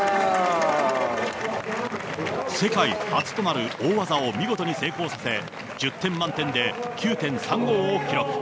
世界初となる大技を見事に成功させ、１０点満点で９．３５を記録。